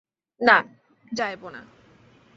না, যাইব না।